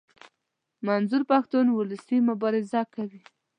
منظور پښتون اولسي مبارزه کوي.